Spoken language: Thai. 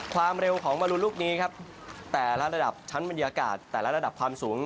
ความเร็วของมรุนลูกนี้ครับแต่ละระดับชั้นบรรยากาศแต่ละระดับความสูง